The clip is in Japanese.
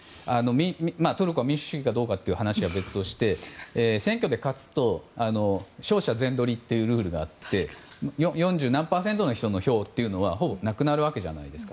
トルコは民主主義かどうかという話は別として選挙で勝つと、勝者全取りというルールがあって四十何パーセントの人の票はほぼなくなるじゃないですか。